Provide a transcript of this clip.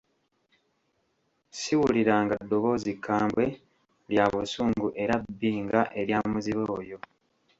Siwuliranga ddoboozi kkambwe, lya busungu era bbi nga erya muzibe oyo.